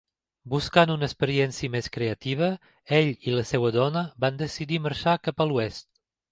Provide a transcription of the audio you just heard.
Buscant una experiència més "creativa", ell i la seva dona van decidir marxar cap a l'Oest.